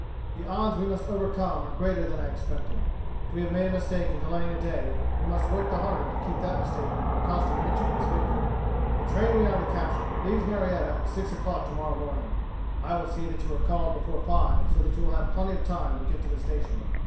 The odds we must overcome are greater than I expected. If we have made a mistake in delaying a day, we must work the harder to keep that mistake from costing Mitchel his victory. The train we are to capture leaves Marietta at six o'clock tomorrow morning. I will see that you are called before five so that you will have plenty of time to get to the station.